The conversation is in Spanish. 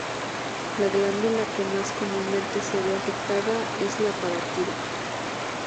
La glándula que más comúnmente se ve afectada es la parótida.